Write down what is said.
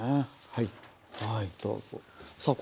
はいどうぞ。